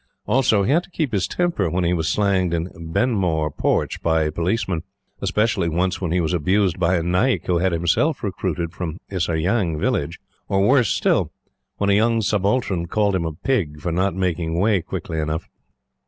Also, he had to keep his temper when he was slanged in "Benmore" porch by a policeman especially once when he was abused by a Naik he had himself recruited from Isser Jang village or, worse still, when a young subaltern called him a pig for not making way quickly enough.